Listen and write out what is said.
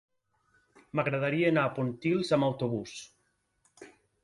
M'agradaria anar a Pontils amb autobús.